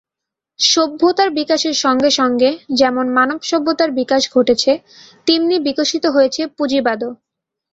সভ্যতার বিকাশের সঙ্গে সঙ্গে যেমন মানবসত্তার বিকাশ ঘটেছে, তেমনি বিকশিত হয়েছে পুঁজিবাদও।